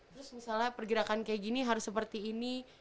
terus misalnya pergerakan kayak gini harus seperti ini